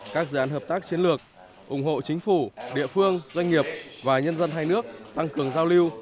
các dự án hợp tác chiến lược ủng hộ chính phủ địa phương doanh nghiệp và nhân dân hai nước tăng cường giao lưu